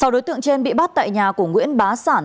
sáu đối tượng trên bị bắt tại nhà của nguyễn bá sản